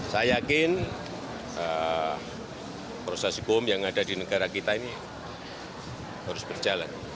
saya yakin proses hukum yang ada di negara kita ini harus berjalan